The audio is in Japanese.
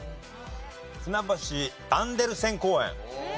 ふなばしアンデルセン公園。